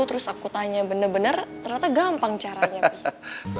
terus aku tanya bener bener ternyata gampang caranya pi